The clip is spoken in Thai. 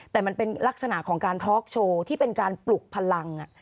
แต่มันเป็นลักษณะของการทอล์กโชว์ที่เป็นการปลุกพลัง